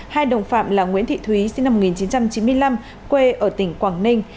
hai đồng phạm là nguyễn thị thúy sinh năm một nghìn chín trăm chín mươi năm quê ở tỉnh quảng ninh